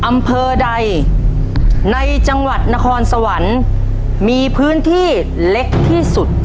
อำเภอใดในจังหวัดนครสวรรค์มีพื้นที่เล็กที่สุด